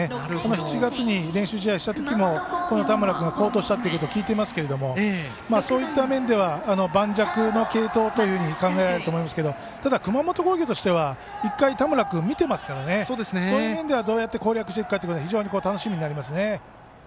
７月に練習試合をしたときも田村君が好投したということを聞いてますけどそういった面では盤石の継投というというふうに考えられると思いますけどただ、熊本工業としは一回、田村君を見ていますからそういう面ではどうやって攻略していくかというところは非常に楽しみになってきますね。